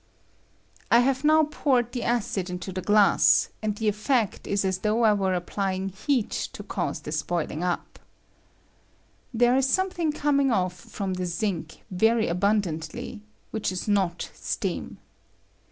I have now poured the acid into the glass, and the effect ia as though I were applying heat to cause this boihng up. There is something coming off from the zinc very abundantly, which ia not steam.